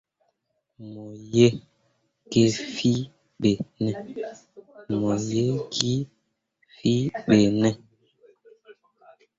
Mo ye kii fìi ɓe ne ?